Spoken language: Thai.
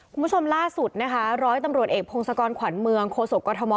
คุณผู้ชมล่าสุดนะคะร้อยตำรวจเอกพงศกรขวัญเมืองโคศกกรทม